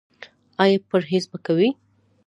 ایا پرهیز به کوئ؟